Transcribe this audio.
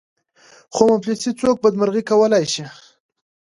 خو مفلسي څوک بدمرغه کولای شي.